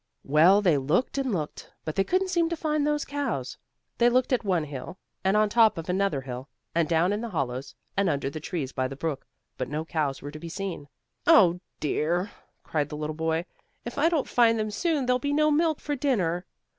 Well, they looked and looked, but they couldn't seem to find those cows. They looked at one hill, and on top of another hill, and down in the hollows, and under the trees by the brook, but no cows were to be seen. "Oh, dear!" cried the little boy, "if I don't find them soon there'll be no milk for dinner."